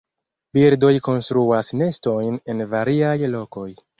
Birdoj konstruas nestojn en variaj lokoj.